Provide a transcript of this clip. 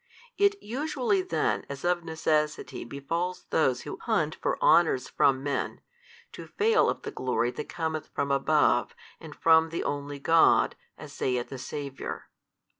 It usually then as of necessity befalls those who hunt for honours from men, to fail of the glory that cometh from above and from the only God, as saith the Saviour.